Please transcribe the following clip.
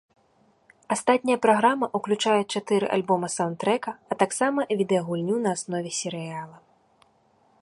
Астатняя праграма ўключае чатыры альбома-саўндтрэка, а таксама відэагульню на аснове серыяла.